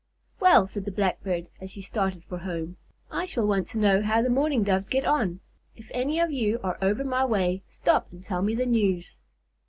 "Well," said the Blackbird, as she started for home, "I shall want to know how the Mourning Doves get on. If any of you are over my way, stop and tell me the news."